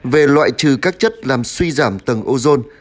về loại trừ các chất làm suy giảm tầng ozone